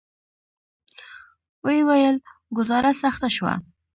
ویې ویل: ګوزاره سخته شوه.